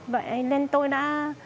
vậy nên tôi đã